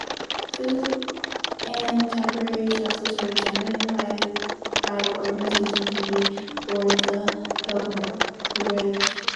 Food and temporary shelters are generally provided by the organization committee for the pilgrimages.